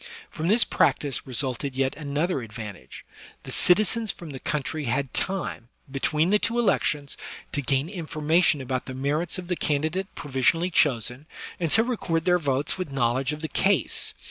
Prom this practice resulted yet another advantage; the citizens from the country had time, between the two elections, to gain information about the merits of the candidate provisionally chosen, and so record their votes with knowledge of the case.